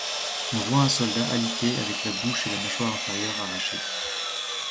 On voit un soldat alité avec la bouche et la mâchoire inférieure arrachées.